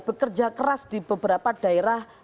bekerja keras di beberapa daerah